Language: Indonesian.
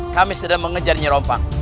kami sedang mengejar nyai rompang